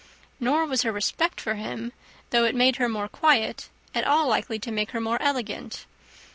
Nor was her respect for him, though it made her more quiet, at all likely to make her more elegant.